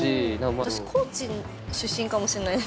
私高知出身かもしんないですね。